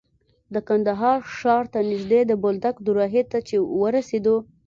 د کندهار ښار ته نژدې د بولدک دوراهي ته چې ورسېدو.